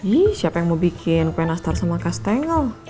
ih siapa yang mau bikin kue nastar sama castengel